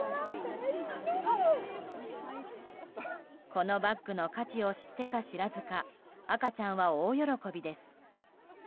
このバッグの価値を知ってか知らずか赤ちゃんは大喜びです。